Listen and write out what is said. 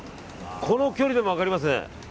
この距離でも分かりますね。